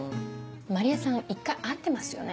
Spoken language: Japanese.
万里江さん一回会ってますよね？